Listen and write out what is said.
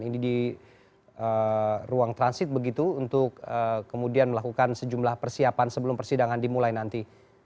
ini di ruang transit begitu untuk kemudian melakukan sejumlah persiapan sebelum persidangan dimulai nanti